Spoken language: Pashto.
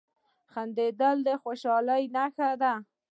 • خندېدل د خوشحالۍ نښه ده.